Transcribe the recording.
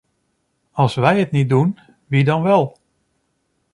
Als wij het niet doen, wie dan wel?